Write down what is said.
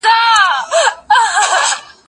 زه سفر نه کوم!.